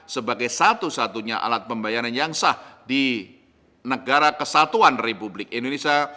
sebagai satu satunya alat pembayaran yang sah di negara kesatuan republik indonesia